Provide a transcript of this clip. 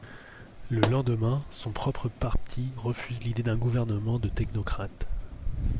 Le lendemain, son propre parti refuse l'idée d'un gouvernement de technocrates.